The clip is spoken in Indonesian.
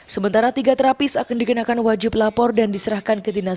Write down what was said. sementara tiga terapis akan dikenakan wajib lapor dan diserahkan ke dinas